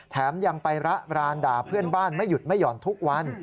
แถมยังไประรานด่าเพื่อนบ้านไม่หยุดไม่ห่อนทุกวัน